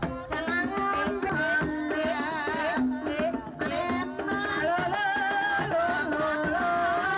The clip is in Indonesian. nah ini sudah hilang